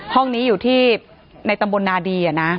ห้องนี้อยู่ที่ในตำบลนาดี